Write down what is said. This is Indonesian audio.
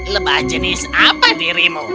lebah jenis apa dirimu